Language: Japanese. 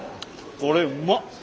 これうまっ！